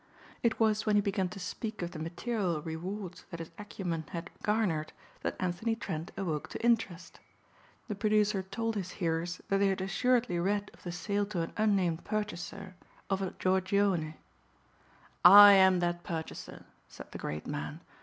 It was when he began to speak of the material rewards that his acumen had garnered, that Anthony Trent awoke to interest. The producer told his hearers that they had assuredly read of the sale to an unnamed purchaser of a Giorgione. "I am that purchaser!" said the great man.